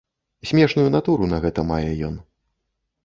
Смешную натуру на гэта мае ён.